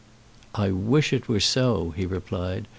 "I wish it were so," he replied.